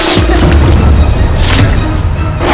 yaudah aku tunggu disana ya